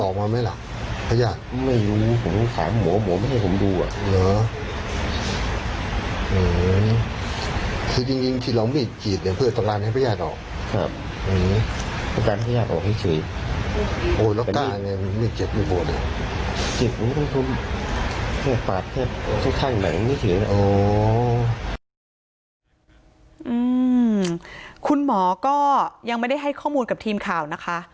คุณหมอก็ยังไม่ได้ให้ข้อมูลกับทีมข่าวนะคะ